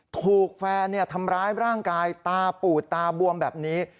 ถูกแฟนทำร้ายร่างกายตาปูดตาบวมแบบนี้